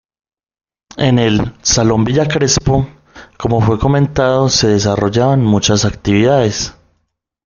En el "Salón Villa Crespo", como fue comentado, se desarrollaban muchas actividades.